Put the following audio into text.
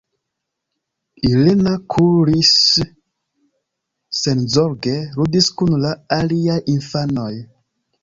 Irena kuris, senzorge ludis kun la aliaj infanoj.